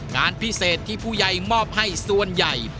งานพิเศษที่ผู้ใหญ่มอบให้ส่วนใหญ่